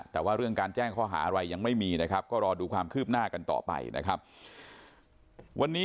แต่ว่าเรื่องการแจ้งข้อหาอะไรยังไม่มีเราก็รอดูความคืบหน้ากันต่อไป